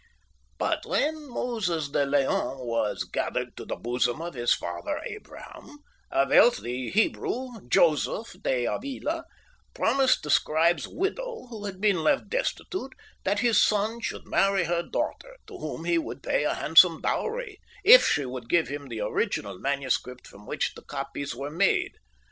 But when Moses de Leon was gathered to the bosom of his father Abraham, a wealthy Hebrew, Joseph de Avila, promised the scribe's widow, who had been left destitute, that his son should marry her daughter, to whom he would pay a handsome dowry, if she would give him the original manuscript from which these copies were made.